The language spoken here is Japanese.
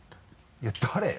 いや誰よ？